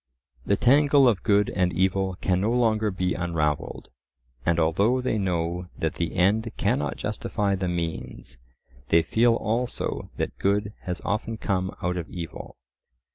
The tangle of good and evil can no longer be unravelled; and although they know that the end cannot justify the means, they feel also that good has often come out of evil.